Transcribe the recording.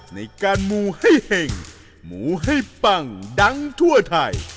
ในการมูให้เห็งหมูให้ปังดังทั่วไทย